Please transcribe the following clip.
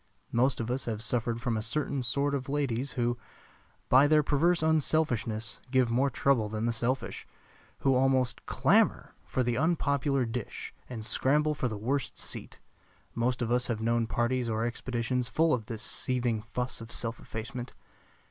Most of us have suffered from a certain sort of ladies who, by their perverse unselfishness, give more trouble than the selfish; who almost clamor for the unpopular dish and scramble for the worst seat. Most of us have known parties or expeditions full of this seething fuss of self effacement.